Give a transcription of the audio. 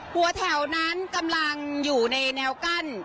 หัวแถวนั้นกำลังอยู่ในแนวกั้น